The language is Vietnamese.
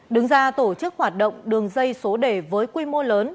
đứng ra tổ chức hoạt động đường dây số đề với quy mô lớn